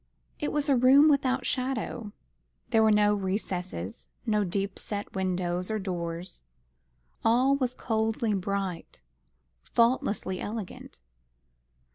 It was a room without shadow. There were no recesses, no deep set windows or doors. All was coldly bright, faultlessly elegant.